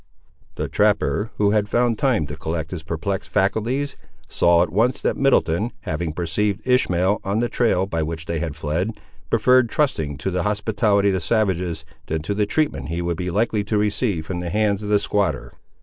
The trapper, who had found time to collect his perplexed faculties, saw at once that Middleton, having perceived Ishmael on the trail by which they had fled, preferred trusting to the hospitality of the savages, than to the treatment he would be likely to receive from the hands of the squatter.